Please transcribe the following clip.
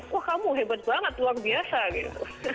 wah kamu hebat banget luar biasa gitu